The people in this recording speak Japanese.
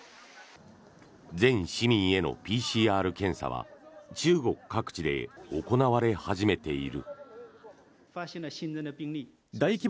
全市民へのＰＣＲ検査は中国各地で行われ始めている。